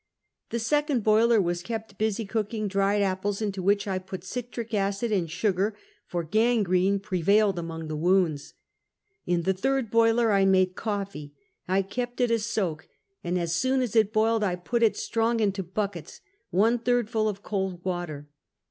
The second boiler was kept busy cooking dried apples, into which I put citric acid and sugar, for gangrene prevailed among the wounds. In the third boiler 1 made coffee; I kept it a soak, and as soon as it boiled I put it strong into buckets, one third full of cold water.